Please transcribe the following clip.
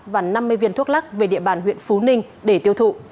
và năm mươi viên thuốc lắc về địa bàn huyện phú ninh để tiêu thụ